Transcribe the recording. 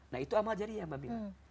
nah itu amal jariah mbak mila